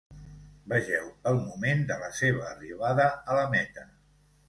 Vegeu el moment de la seva arribada a la meta.